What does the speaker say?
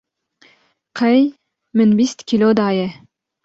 qey min bîst kîlo daye.